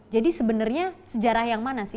jadi sebenarnya sejarah yang mana sih